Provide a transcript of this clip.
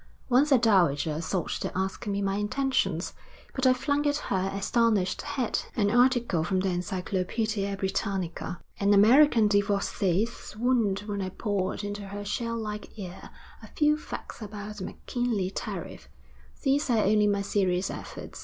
Once a dowager sought to ask me my intentions, but I flung at her astonished head an article from the Encyclopedia Brittanica. An American divorcée swooned when I poured into her shell like ear a few facts about the McKinley Tariff. These are only my serious efforts.